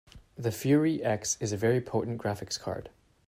The Fury X is a very potent graphics card.